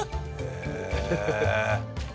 へえ。